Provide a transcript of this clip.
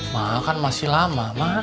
makan masih lama